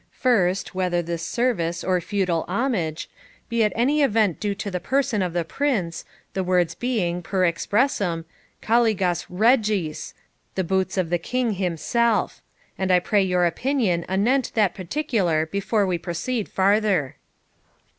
First, whether this service, or feudal homage, be at any event due to the person of the Prince, the words being, per expressum, caligas REGIS, the boots of the king himself; and I pray your opinion anent that particular before we proceed farther.'